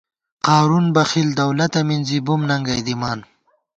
قارُون بخیل دولَتہ مِنزی، بُم ننگئی دِمان